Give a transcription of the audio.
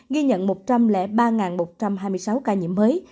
ghi nhận một trăm linh ba một trăm hai mươi sáu ca nhiễm mới